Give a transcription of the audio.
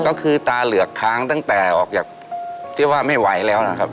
ก็คือตาเหลือกค้างตั้งแต่ออกจากที่ว่าไม่ไหวแล้วนะครับ